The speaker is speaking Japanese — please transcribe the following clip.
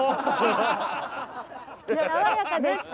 爽やかでした。